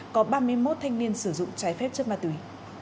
có ba mươi một thanh niên sử dụng trái phép chất ma túy